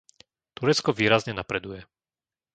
Turecko výrazne napreduje.